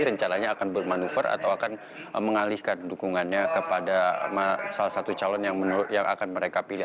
rencananya akan bermanuver atau akan mengalihkan dukungannya kepada salah satu calon yang akan mereka pilih